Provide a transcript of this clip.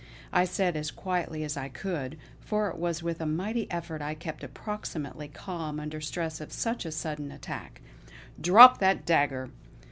I said as quietly as I could, for it was with a mighty effort I kept approximately calm under stress of such a sudden attack: "Drop that dagger!